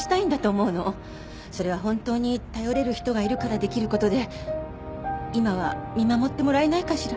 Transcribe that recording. それは本当に頼れる人がいるからできることで今は見守ってもらえないかしら？